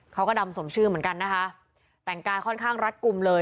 เขาก็ดำสมชื่อเหมือนกันนะคะแต่งกายค่อนข้างรัดกลุ่มเลย